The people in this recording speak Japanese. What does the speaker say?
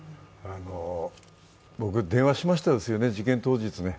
僕、電話しましたよね、事件当日。